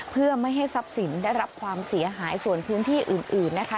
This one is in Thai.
เพื่อไม่ให้ทรัพย์สินได้รับความเสียหายส่วนพื้นที่อื่นนะคะ